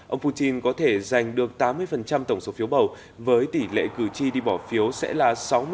ông putin có thể giành được tám mươi tổng số phiếu bầu với tỷ lệ cử tri đi bỏ phiếu sẽ là sáu mươi